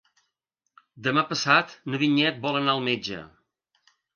Demà passat na Vinyet vol anar al metge.